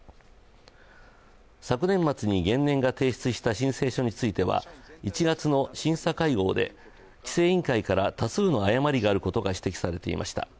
昨年末に原燃が提出した申請書については１月の審査会合で規制委員会から多数の誤りがあることが指摘されていました。